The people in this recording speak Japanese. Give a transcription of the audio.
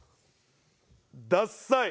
ダッサい。